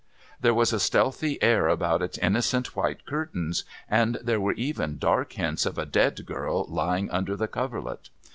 There was a stealthy air about its innocent white curtains, and there were even dark hints of a dead girl lying under the coverlet.